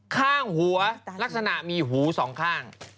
ข้างหัวลักษณะมีหูสองข้าง